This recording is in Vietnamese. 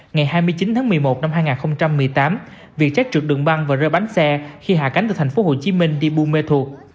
ngày hai mươi chín tháng một mươi một năm hai nghìn một mươi tám vietjet trượt đường băng và rơi bánh xe khi hạ cánh từ thành phố hồ chí minh đi bume thuộc